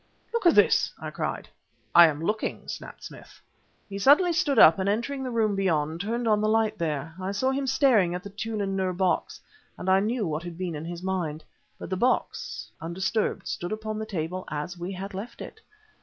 "Look at this!" I cried. "I am looking," snapped Smith. He suddenly stood up, and entering the room beyond, turned on the light there. I saw him staring at the Tûlun Nûr box, and I knew what had been in his mind. But the box, undisturbed, stood upon the table as we had left it.